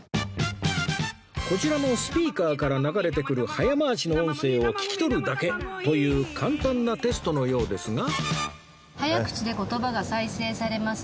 こちらのスピーカーから流れてくる早回しの音声を聞き取るだけという簡単なテストのようですが